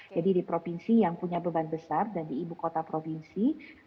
jadi di provinsi yang punya beban besar dan di ibu kota provinsi